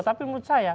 tapi menurut saya